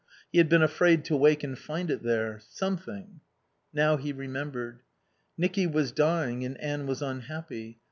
He had been afraid to wake and find it there. Something . Now he remembered. Nicky was dying and Anne was unhappy.